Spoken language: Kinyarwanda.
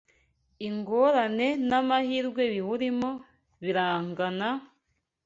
ingorane n’amahirwe biwurimo birangana,